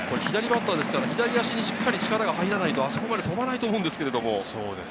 左バッターですから左足に力が入らないと、あそこまで飛ばないと思うんですけれど。